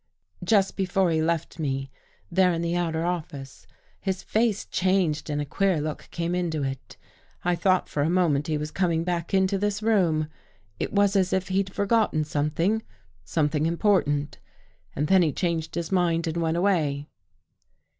" Just before he left me, there in the outer office, his face changed and a queer look came into it. I thought for a moment he was coming back into this room. It was as if he'd forgotten something — something important. And then he changed his mind and went away."